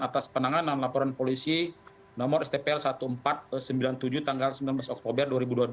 atas penanganan laporan polisi nomor stpl seribu empat ratus sembilan puluh tujuh tanggal sembilan belas oktober dua ribu dua puluh